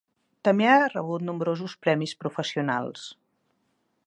També ha rebut nombrosos premis professionals.